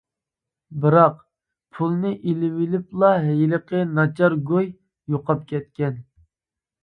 بىراق، پۇلنى ئېلىۋېلىپلا ھېلىقى ناچار گۇي يوقاپ كەتكەن.